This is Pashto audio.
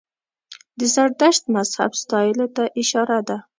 د زردشت مذهب ستایلو ته اشاره ده.